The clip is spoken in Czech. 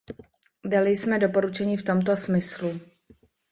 Dali jsme doporučení v tomto smyslu.